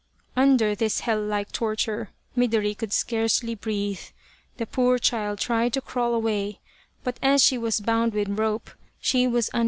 Undr this hell like torture Midori could scarcely breathe. The poor child tried to crawl away, but as she was bound with rope, she was unable to do so.